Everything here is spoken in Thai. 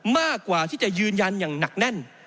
มากกว่าที่จะยืนยันอย่างหนักแน่น